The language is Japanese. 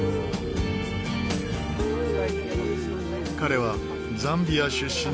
彼はザンビア出身の大学生。